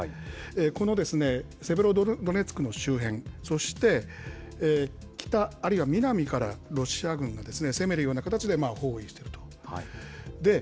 このセベロドネツクの周辺、そして、北、あるいは南から、ロシア軍が攻めるような形で包囲すると。